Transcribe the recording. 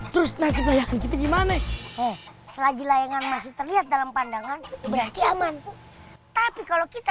terus nah sebab itu gimanaselagi layangan masih terlihat dalam pandangan berarti kita kembali pergi juga